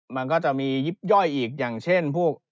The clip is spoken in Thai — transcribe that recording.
มันก็จะมียิบย่อยอีกอย่างเช่นพวก